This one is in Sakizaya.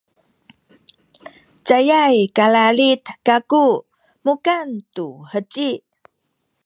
cayay kalalid kaku mukan tu heci